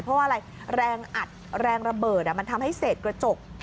เพราะว่าอะไรแรงอัดแรงระเบิดมันทำให้เศษกระจก